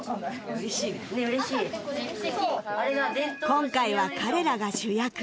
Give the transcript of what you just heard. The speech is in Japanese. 今回は彼らが主役